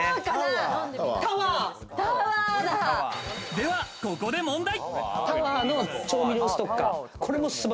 では、ここで問題。